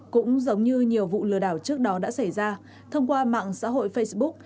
cũng giống như nhiều vụ lừa đảo trước đó đã xảy ra thông qua mạng xã hội facebook